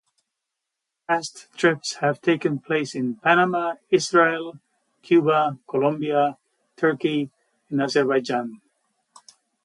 Past trips have taken place in Panama, Israel, Cuba, Colombia, Turkey and Azerbaijan.